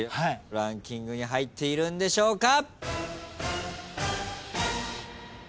ランキングに入っているんでしょうか？